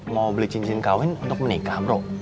mau beli cincin kawin untuk menikah bro